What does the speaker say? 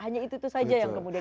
hanya itu saja yang kita ketahui